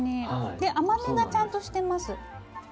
で甘みがちゃんとしてます。